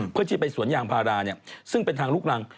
เพื่อที่ไปสวนยางพาราซึ่งเป็นทางลูกรัง